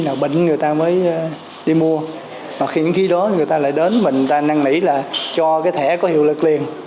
nào bệnh người ta mới đi mua mà khi đó người ta lại đến mình ta năn nỉ là cho cái thẻ có hiệu lực